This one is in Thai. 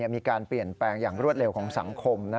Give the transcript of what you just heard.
มีการเปลี่ยนแปลงอย่างรวดเร็วของสังคม